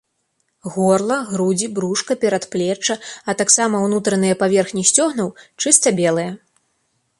Горла, грудзі, брушка, перадплечча, а таксама ўнутраныя паверхні сцёгнаў чыста белыя.